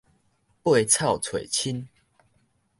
掰草揣親